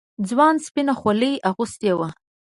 ځوان سپينه خولۍ اغوستې وه.